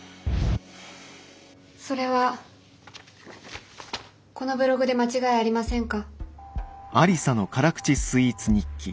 それはこのブログで間違いありませんか？